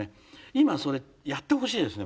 今それやってほしいですね